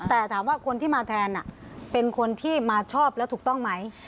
แต่ถามว่าคนที่มาแทนเป็นคนที่มาชอบแล้วถูกต้องไหม